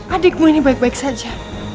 adikmu ini baik baik saja